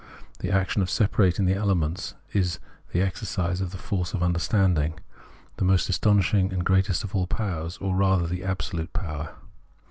The action of separating the elements is the exercise of the force of Understanding, the most astonishing and greatest of all powers, or rather the absolute power.